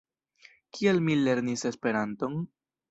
Kial mi lernis Esperanton?